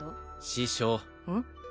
師匠うん？